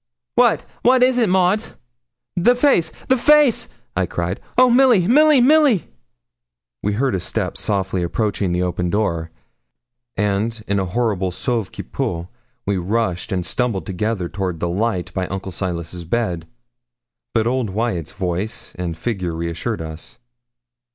'What what is it, Maud?' 'The face! the face!' I cried. 'Oh, Milly! Milly! Milly!' We heard a step softly approaching the open door, and, in a horrible sauve qui peut, we rushed and stumbled together toward the light by Uncle Silas's bed. But old Wyat's voice and figure reassured us.